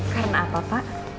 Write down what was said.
karena apa pak